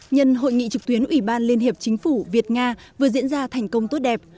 nhân hội nghị trực tuyến ủy ban liên hiệp chính phủ việt nga vừa diễn ra thành công tốt đẹp